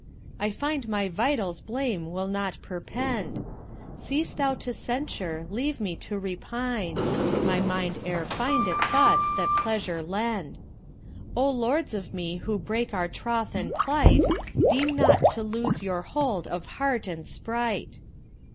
* I find my vitals blame will not perpend: Cease thou to censure; leave me to repine; * My mind e'er findeth thoughts that pleasure lend. O Lords[FN#193] of me who brake our troth and plight, * Deem not to lose your hold of heart and sprite!"